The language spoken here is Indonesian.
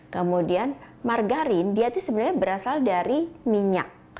kemudian margarin dia itu sebenarnya berasal dari minyak